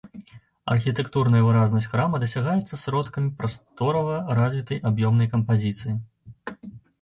Архітэктурная выразнасць храма дасягаецца сродкамі прасторава развітай аб'ёмнай кампазіцыі.